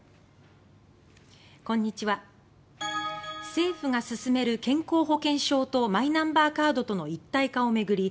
政府が進める健康保険証とマイナンバーカードとの一体化を巡り